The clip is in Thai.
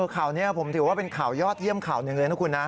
ข่าวนี้ผมถือว่าเป็นข่าวยอดเยี่ยมข่าวหนึ่งเลยนะคุณนะ